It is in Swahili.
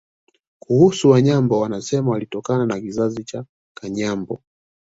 Kuhusu Wanyambo wanasema walitokana na kizazi cha Kanyambo